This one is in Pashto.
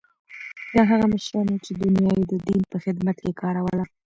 دا هغه مشران وو چې دنیا یې د دین په خدمت کې کاروله.